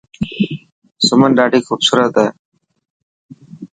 سمن ڏاڌي خوبصورت هي.